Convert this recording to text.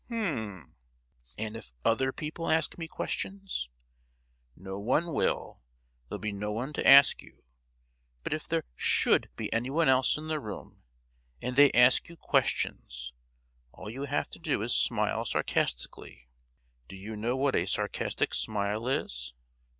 "H'm, and if other people ask me questions?" "No one will; there'll be no one to ask you. But if there should be anyone else in the room, and they ask you questions, all you have to do is to smile sarcastically. Do you know what a sarcastic smile is?"